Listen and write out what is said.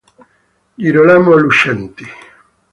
Girolamo Lucenti